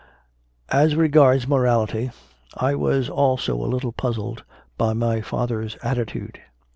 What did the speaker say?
As regards morality, I was also a little puzzled by my father s attitude.